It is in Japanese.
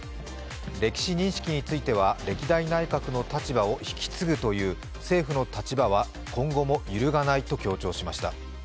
歴史認識については歴代内閣の立場を引き継ぐという政府の立場は今後も揺るがないと強調しました。